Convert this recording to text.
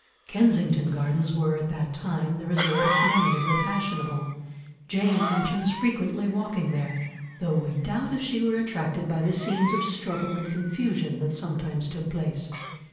Kensington Gardens were at that time the resort of many of the fashionable; Jane mentions frequently walking there, though we doubt if she were attracted by the scenes of struggle and confusion that sometimes took place.